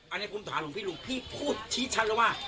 อันนี้คุณถามหลวงพี่ลุงพี่พูดชี้ชัดแล้วว่า